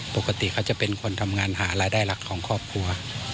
ปกติเขาจะเป็นคนทำงานหารายได้หลักของครอบครัว